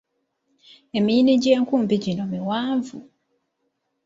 Emiyini gy’enkumbi gyonna miwanvu.